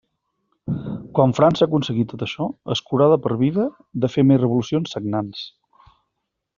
Quan França aconseguí tot això, es curà de per vida de fer més revolucions sagnants.